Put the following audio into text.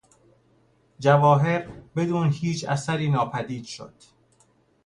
جواهر بدون هیچ اثری ناپدید شد.